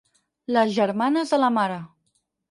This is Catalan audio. Les germanes de la mare.